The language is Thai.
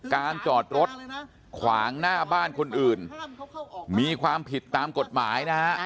การจอดรถขวางหน้าบ้านคนอื่นมีความผิดตามกฎหมายนะฮะ